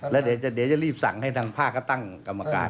แล้วเดี๋ยวจะรีบสั่งให้ทางภาคก็ตั้งกรรมการ